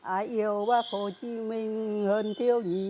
ai yêu bác hồ chí minh hơn thiếu nhi việt nam